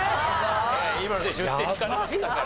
今ので１０点引かれましたから。